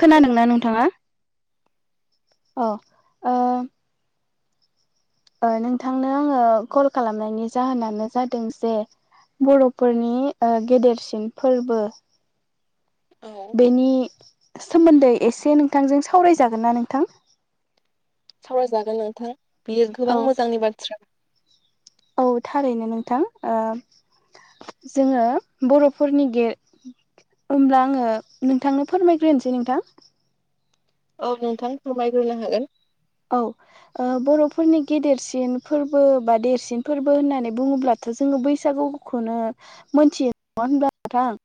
खोनादोंना खोनादों नोंथाङा? अ ओ ओ नोंथांनो आङो कल खालामनायनि जाहोनानो जादों जे बर' फोरनि ओ गेदेरसिन फोरबो औ बेनि सोमोन्दै एसे नोंथांजों सावरायजागोन ना नोंथां? सावरायजागोन नोंथां बियो औ गोबां मोजांनि बाथ्रा। औ थारैनो नोंथां ओ जोङो बर'फोरनि गे होमब्ला आङो नोंथांनो फोरमायग्रोनोसै नोंथां। औ नोंथां फोरमायग्रोनो हागोन। औ ओ बर'फोरनि गेदेरसिन फोरबो बा देरसिन फोरबो होननानै बुङोब्लाथ' जोङो बैसागु खौनो मोनथियो। नङा होमबा नोंथां?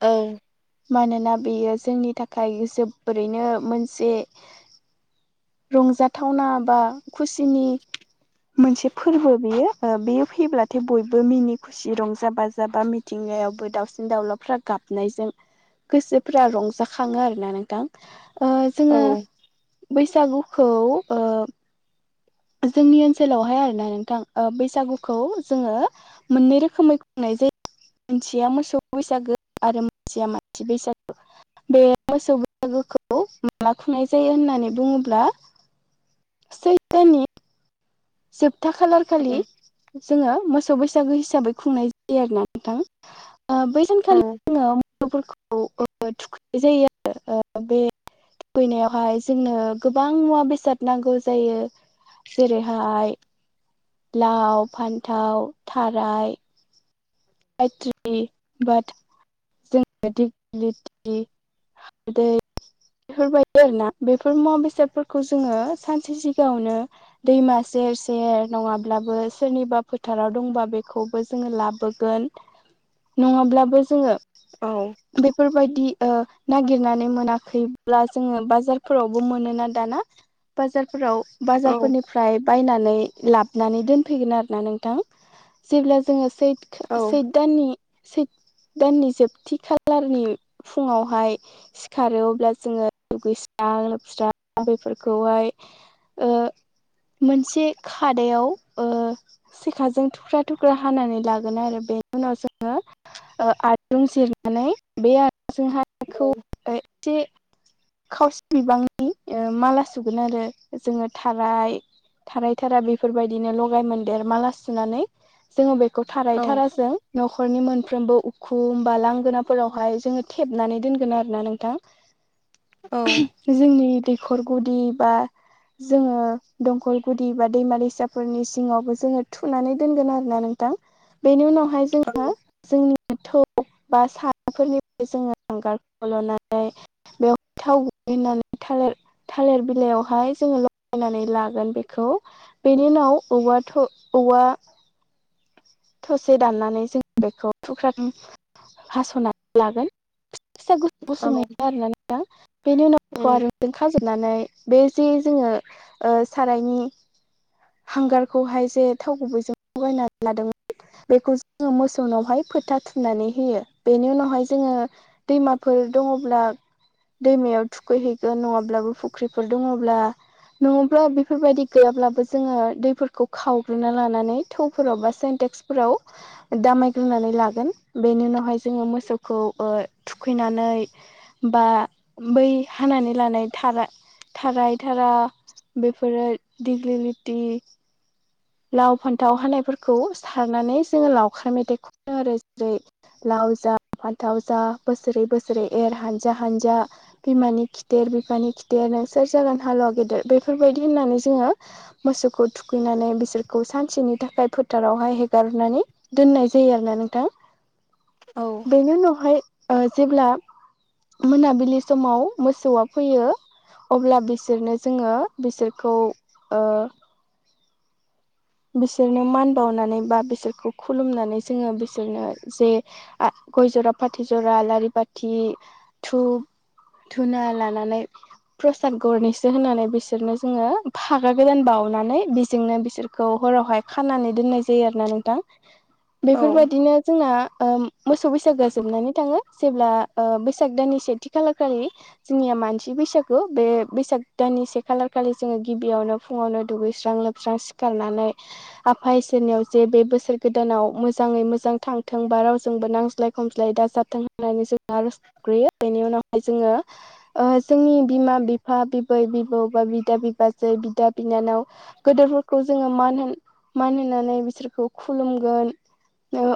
औ मानोना बेयो जोंनि थाखाय जोबोरैनो मोनसे रंजाथावना बा खुसिनि मोनसे फोरबो बियो ओ बेयो फैब्लाथाय बयबो मिनि खु सि रंजा बाजा बा मिथिंगायावबो दावसिन-दाउलाफ्रा गाबनायजों गोसोफ्रा रंजाखाङो आरोना नोंथां ओ औ जोङो बैसागुखौ ओ जोंनि ओनसोलावहाय आरोना नोंथां ओ बैसागुखौ जोङो मोननै रोखोमै खुंनाय जायो। मोनसेया मोसौ बैसागो आरो मोनसेया मानसि बैसागु। बे मोसौ बैसागोखौ माला खुंनाय जायो होननानै बुङोब्ला सैथोनि जोबथा खालारखालि जोङो मोसौ बैसागो हिसाबै खुंनाय जायो आरो ना नोंथां। ओ बै सानखालि औ जोङो मोसौफोरखौ ओ थुखैनाय जायो आरो ओ बे थुखैनायावहाय जोंनो गोबां मुवा-बेसाद नांगौ जायो। जेरै - फाय लाव, फान्थाव, थाराय [unintelligible] दे बेफोरबायदि आरो ना बेफोर मुवा बेसादफोरखौ जोङो सानसे सिगाङावनो दैमा सेर सेर नङाब्लाबो सोरनिबा फोथाराव दंबा बेखौबो जोङो लाबो गोन नङाब्लाबो जोङो औ बेफोरबायदि ओ नागिरनानै मोनाखैब्ला जोङो बाजारफोरावबो मोनोना दाना। बाजारफोराव बाजारफोरनिफ्राय बायनानै लाबनानै दोनफैगोन आरोना नोंथां। जेब्ला जोङो सैथ औ सैथ दाननि सैथ दाननि जोबथि खालारनि फुङावहाय सिखारो अब्ला जोङो दुगैस्रां लोबस्रां बेफोरखौहाय ओ मोनसे खादायाव ओ सेखाजों थुख्रा थुख्रा हानानै ला गोन आरो बे उनाव जोङो ओ आदुं से होन्नानै बे आर जोंहा खौ एथे खावसे बिबांनि माला सुगोन आरो जोङो थाराय, थाराय थारा बेफोरबायदिनो लगायमोनदेर माला सुनानै जोङो बेखौ थाराय औ थाराजों नखरनि मोनफ्रोमबो उखुम बा लांगोनाफोरावहाय जोङो थेबनानै दोनगोन आरो ना नोंथां। औ। जोंनि दैखर गुदि बा जोङो दंखल गुदि बा दैमा दैसाफोरनि सिङावबो जोङो थुनानै दोनगोन आरोना नोंथां। बेनि उनावहाय जो [unintelligible] जोंनि थौ बा सारायफोरनिफ्राय जोङो हांगारखौ लानानै थाव ग्लिनानै थालेर- थालेर बिलाइयावहाय जोङो लगायनानै लागोन बेखौ बेनि उनाव औवाथ' औवा थसे दाननानै जों बेखौ थुख्रानो हासनानै लागोन। फिसा गु औ गुसुङै आरो ना बेनि उनाव औ बे जों खाजोबनानै बे जे जोङो ओ सारायनि हांगारखौहाय जे थाव गुबैजों लगायना लादोंमोन। बेखौ जोङो मोसौनावहाय फोथा थुननानै होयो। बेनि उनावहाय जोङो दैमाफोर दङब्ला दैमायाव थुखैहैगोन नङाब्लाबो फुख्रिफोर दङब्ला नङाब्ला बेफोरबायदि गैयाब्लाबो जोङो दैफोरखौ खावग्रोना लानानै थौफोराव बा सेन्टेक्स फोराव दामायग्रोनानै लागोन बेनि उनावहाय जोङो मोसौखौ ओ थुखैनानै बा बै हानानै लानाय थारा थाराय थारा बेफोरो दिग्लिलिटि लाव फान्थाव हानायफोरखौ सारनानै जोङो लावखार मेथाइ खनो आरो जेरै लाव जा फान्थाव जा बोसोरै बोसोरै एर हानजा हानजा, बिमानि खिथेर बिफानि खिथेर नोंसोर जागोन हालुवा गेदेर। बेफोरबायदि होननानै जोङो मोसौखौ थुखैनानै बि रखौ सानसेनि थाखाय फोथारावहाय हेगारनानै दोननाय जायो आरो ना नोंथां। बेनि उनावहाय ओ जेब्ला मोनाबिलि समाव मोसौआ फैयो, अब्ला बिसोरनो जोङो बिसोरखौ ओ बिसोरनो मान बावनानै बा बिसोरखौ खुलुमनानै जोङो बिसोरनो जे आ गय जरा फाथ जरा आलारि बाथि थुप धुना लानानै प्रसाद गरनैसो होनानै बिसोरनो जोङो फागा गोदान बाउनानै बेजोंनो बिसोर खौ हरावहाय खानानै दोननाय जायो आरो ना नोंथां बेफोरबायदिनो जोंना ओ मोसौ बैसागोआ जोबनानै थाङो जेब्ला ओ बैसाग दाननि सेथि खालार खालि। जोंनिया मानसि बैसागु बे बैसाग दाननि से खालार खालि जोङो गिबियावनो फुङावनो दुगैस्रां लोबस्रां सिखारनानै आफा इसोरनियाव जे बे बोसोर गोदानाव मोजाङै मोजां थांथों बा रावजोंबो नांज्लाय खमज्लाय दाजाथ थों होननानै जों आर'ज गाबग्रोयो बेनि उनावहाय जोङो ओ जोंनि बिमा बिफा बिबै बिबौ बा बिदा बिबाजै बिदा बिनानाव गोदोरफोरखौ जोङो मान होन मान होनानै बिसोरखौ खुलुमगोन ओ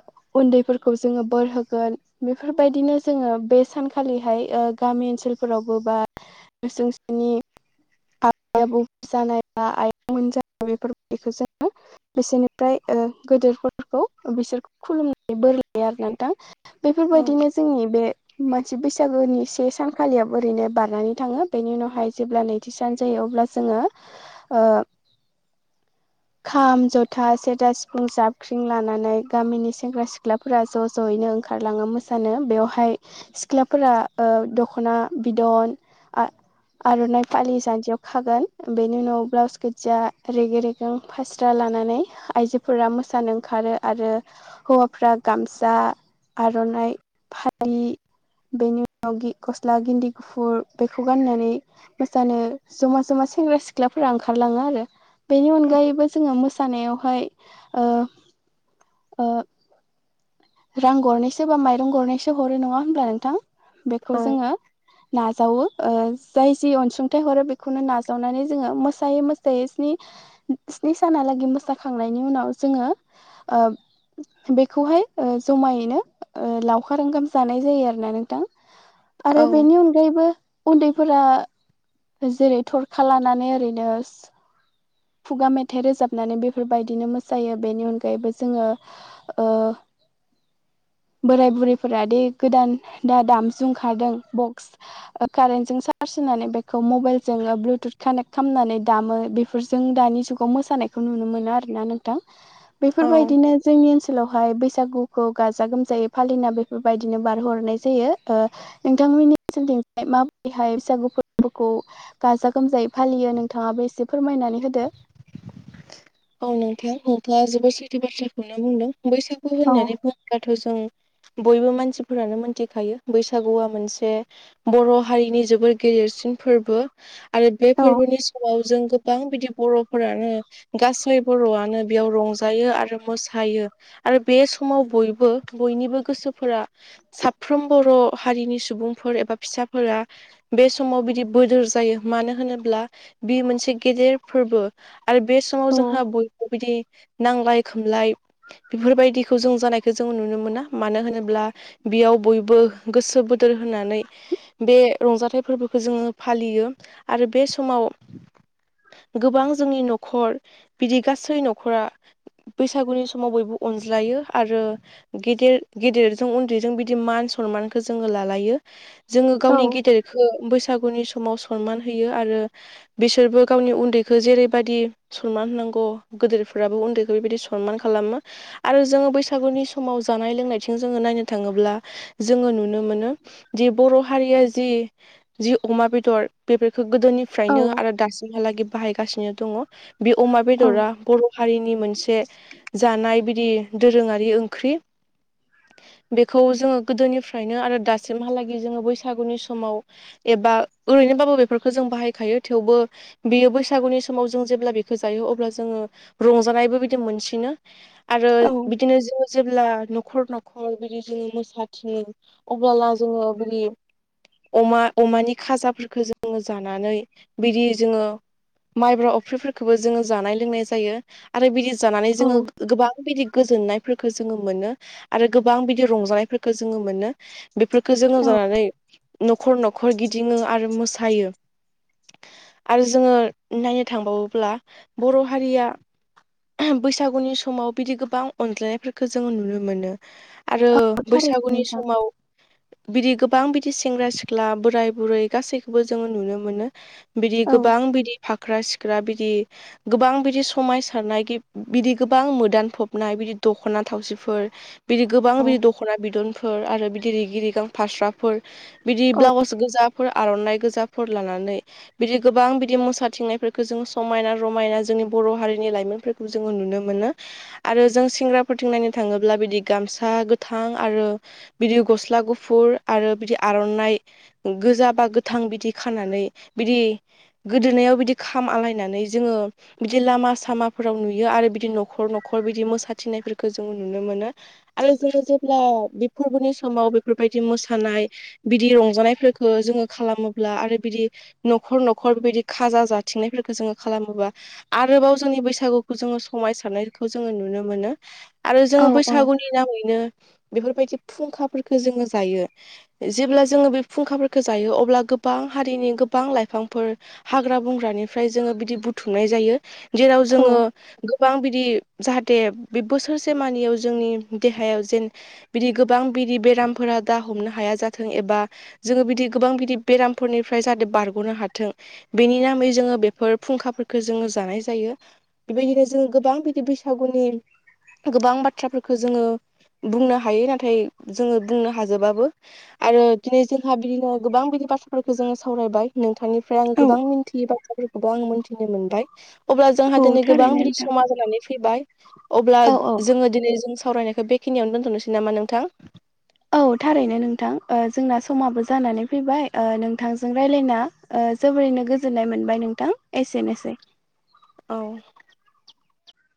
उन्दैफोरखौ जोङो बोर होगोन। बेफोरबायदिनो जोङो बे सानखालिहाय ओ गामि ओनसोलफोरावबो बा [unintelligible] बेफोरबायदिखौ जोङो बिसोरनिफ्राय ओ गोदोरफोरखौ बिसोरखौ खुलुमनानै बोर लायो आरो नोंथां। बेफोरबायदिनो जोंनि बे मानसि बैसागोनि से सानखालियाव ओरैनो बारनानै थाङो बेनि उनावहाय जेब्लानो थिसान जायो अब्ला जोङो ओ खाम जथा सेरजा सिफुं जाबख्रिं लानानै गामिनि सेंग्रा सिख्ला फोरा ज' ज'यैनो ओंखारलाङो मोसानो बेवहाय सिख्लाफोरा ओ दख'ना बिदन आ आर'नाइ फालि जान्जियाव खागोन बेनि उनाव ब्लाउस गोज्जा रेगे रेग जों फास्रा लानानै आइजोफोरा मोसानो ओंखारो आरो हौवाफ्रा गामसा आर'नाइ फालि बेनि उनाव गि गस्ला गिन्दि गुफुर बेखौ गाननानै मोसानो जमा जमा सेंग्रा सिख्लाफोरा ओंखारलाङो आरो बे अनगायैबो जोङो मोसानायावहाय ओ ओ रां गरनैसो बा माइरं गरनैसो हरो नङा होब्ला नोंथां? औ बेखौ जोङो नाजावो। ओ‌ जाय जि अनसुंथाइ हरो बेखौनो नाजावनानै जोङो मोसायै मोसायै स्नि स्नि सानालागै मोसाखांनायनि उनाव जोङो ओ बेखौहाय ओ जमायैनो ओ लावखार ओंखाम जानाय जायो आरो ना नोंथां आरो औ बेनि अन बयबो उन्दैफोरा जेरै थरखा लानानै ओरैनो खुगा मेथाइ रोजाबनानै बेफोरबायदिनो मोसायो बेनि अनगायैबो जोङो ओ बोराय बुरैफोरा दि गोदान दा दामजु खारदों बक्स ओ कारेन्ट जों चार्ज होनानै बेखौ मबाइल जों ब्लुथुथ कानेक्ट खालामनानै दामो बे बेफोरजों दानि जुगाव मोसानायखौ नुनो मोनो आरोना नोंथां। औ बेफोरबायदिनो जोंनि ओनसोलावहाय बैसाग बैसागुखौ गाजा गोमजायै फालिना बेफोरबायदिनो बारहोहरनाय जायो। नोंथांमोननिथिं माबोरैहाय बैसागु फोरबोखौ गाजा गोमजायै फालियो नोंथाङाबो एसे फोरमायनानै होदो। औ नोंथां नोंथाङा जोबोद सैथो बाथ्राखौनो बुंदों बैसागु औ होननानै बुङोल्बाथ' जों बयबो मानसिफोरानो मोनथिखायो बैसागुआ मोनसे बर' हारिनि जोबोर गेदेरसिन फोरबो। आरो बे औ फोरबोनि समाव जों गोबां बिदि बर'फोरानो गासै बर'आनो बेयाव रंजायो आरो मोसायो। आरो बे समाव बयबो बयनिबो गोसोफोरा साफ्रोम बर' हारिनि सुबुंफोर एबा फिसाफोरा बे समाव बिदि बोदोर जायो मानो होनोब्ला बे मोनसे गेदेर फोरबो आरो बे समाव औ जोंहा बयबो बिदि नांलाय खमलाय बेफोरबायदिखौ जों जानायखौ जों नुनो मोना मानो होनोब्ला बेयाव बयबो गोसो बोदोर होनानै बे रंजाथाइ फोरबोखौ जोङो फालियो आरो बे समाव गोबां जोंनि न'खर बिदि गासै न'खरा बैसागुनि समाव बयबो अनज्लायो आरो गेदेर गेदेरजों उन्दैजों बिदि मान सनमानखौ जोङो लालायो जोङो गावनि गेदेरखौ बैस बैसागुनि समाव सनमान होयो आरो बिसोरबो गावनि उन्दैखौ जेरैबायाददि सनमान होनांगौ गोदेरफोराबो उन्दैखौ बेबायदि सनमान खालामो आरो जोङो बैसागुनि समाव जानाय लोंनायथिं जोङो नायनो थाङोब्ला जोङो नुनो मोनो दि बर' हारिया जि - जि अमा बेदर बेफोरखौ औ गोदोनिफ्रायनो आरो दासिमहालागै बाहायगासिनो दङ बे अमा बेदरा बर' हारिनि मोनसे जानाय बिदि दोरोङारि ओंख्रि बेखौ जोङो गोदोनिफ्रायनो आरो दासिमहालागै जोङो बैसागुनि समाव एबा ओरैनोबाबो बेफोरखौ जों बाहायखायो थेवबो बेयो बैसागुनि समाव जं जेब्ला बेखौ जायो अब्ला जोङो रंजानाय बायदि मोनसिनो आरो औ बिदिनो जोङो जेब्ला न'खर न'खर बिदि जोङो मोसाथिनो अब्लाला जोङो बि अमा अमानि खाजाफोरफोरखौ जोङो जानानै बिदि जोङो माइब्र' फ्रिफोरखौबो जोङो जानाय लोंनाय जायो आरो बिदि जानानै औ जोङो गोबां बिदि गोजोननाय फोरख जोङो मोनो आरो गोबां बिदि रंजानायफोरखौ जोङो मोनो बेफोरखौ जोङो औ जानानै न'खर न'खर गिदिङो आरो मोसायो आरो जोङो नायनो थांबावोब्ला बर' हारिया बैसागुनि समाव बिदि गोबां अनज्लायनायफोरखौ जोङो नुनो मोनो आरो थारैनो बैसागुनि नोंथां समाव बिदि गोबां बिदि सेंग्रा सिख्ला बोराय बुरै गासैखौबो जोङो नुनो मोनो बिदि औ गोबां बिदि फाख्रा सिख्रा बिदि गोबां बिदि समायसारनाय बिदि गोबां मोदानफबनाय बिदि दख'ना थावसिफोर बिदि गोबां औ बिदि दख'ना बिदनफोर आरो बिदि रिग रिगां फास्राफोर बिदि औ ब्लाउस गोजाफोर आर'नाइ गोजाफोर लानानै बिदि गोबां बिदि मोसाथिंनाय बेखौ जोङो समायना रमायना जोंनि बर' हारिनि लाइमोनफोरखौ जोङो नुनो मोनो आरो जों सेंग्राफोरथिं नायनो थाङोब्ला बिदि गामसा गोथां आरो बिदि गस्ला गुफुर आरो बिदि आर'नाइ गोजा बा गोथां बिदि खानानै बिदि गोदोनायाव बिदि खाम आलायनानै जोङो बिदि लामा सामाफोराव नुयो आरो बिदि न'खर न'खर बिदि मोसाथिनायफोरखौ जोङो नुनो मोनो आरो जोङो जेब्ला बे फोरबोनि समाव बेफोरबायदि मोसानाय बिदि रंजानायफोरफोरखौ जोङो खालामोब्ला आरो बिदि न'खर न'खर बिदि खाजा जा थिंनायफोरखौ जोङो खालामोबा आरोबाव जोंनि बैसागुखौ जोङो समायसारनायखौ जोङो नुनो मोनो आरो जोङो औ बैसागुनि नामैनो बेफोरबायदि फुंखाफोरफोरखौ जोङो जायो जेब्ला जोङो बे फुंखाफोरखौ जायो अब्ला गोबां हारिनि गोबां लाइफांफोर हाग्रा बंग्रानिफ्राय जोङो बिदि बुथुमनाय जायो जेराव औ जोङो गोबां बिदि जाहाथे बे बोसोरसे मानियाव जोंनि देहायाव जेन बिदि गोबां बिरि बेरामफोरा दा हमनो हाया जाथों एबा जोङो बिदि गोबां बिदि बेरामफोरनिफ्राय जाहाथे बारग'नो हाथों बेनि नामै जोङो बेफोर फुंखाफोरखौ जोङो जानाय जायो बेबायदिनो जोङो गोबां बिदि बैसागुनि गोबां बाथ्राफोरखौ जोङो बुंनो हायो नाथाय जोङो बुंनो हाजोबाबो आरो दिनै जोंहा बिदिनो गोबां बिदि बाथ्राफोरखौ जोङो सावरायबाय नोंथांनिफ्राय आङो औ गोबां मिन्थियोबाया फफोरखौबो आङो मोन्थिनो मोनबाय अब्ला जोंहा औ दिनै गोबां थारैनो बिदि नोंथां। समा जानानै फैबाय अब्ला औ औ जोङो दिनै जों सावरायनायखौ बेखिनियावनो दोनथ'नोसै नामा नोंथां औ थारैनो नोंथां ओजोंना समाबो जानानै फैबाय ओ नोंथांजों राय्लायना ओ जोबोरैनो गोजोननाय मोनबाय नोंथां एसेनोसै। औ